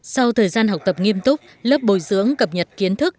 sau thời gian học tập nghiêm túc lớp bồi dưỡng cập nhật kiến thức